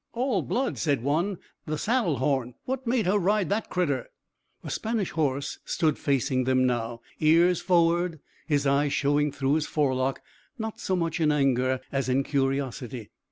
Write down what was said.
"All blood!" said one. "That saddle horn! What made her ride that critter?" The Spanish horse stood facing them now, ears forward, his eyes showing through his forelock not so much in anger as in curiosity.